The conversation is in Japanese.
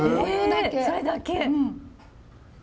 えそれだけ！